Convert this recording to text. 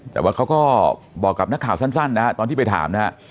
แต่ว่าเขาก็บอกกับนักข่าวสั้นนะฮะตอนที่ไปถามนะฮะ